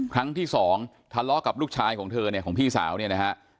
ครั้งที่สองทะเลาะกับลูกชายของเธอเนี่ยของพี่สาวเนี่ยนะฮะ